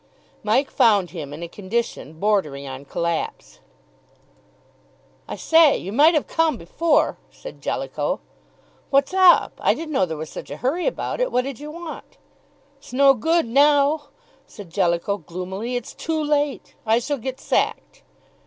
Mike found him in a condition bordering on collapse. "I say, you might have come before!" said Jellicoe. "What's up? I didn't know there was such a hurry about it what did you want?" "It's no good now," said Jellicoe gloomily; "it's too late, I shall get sacked."